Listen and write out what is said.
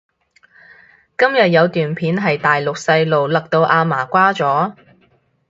今日有段片係大陸細路勒到阿嫲瓜咗？